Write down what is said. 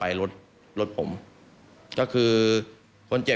ฟังเสียงอาสามูลละนิทีสยามร่วมใจ